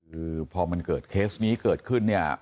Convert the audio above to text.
คือพอเคสนี้เกิดขึ้น